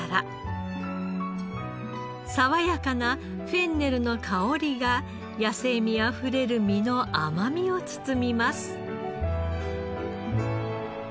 爽やかなフェンネルの香りが野性味あふれる身の甘みを包みます。